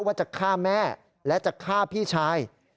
ว่าจะฆ่าแม่และจะฆ่าพี่ชาย